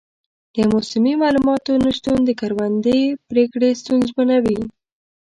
د موسمي معلوماتو نه شتون د کروندې پریکړې ستونزمنوي.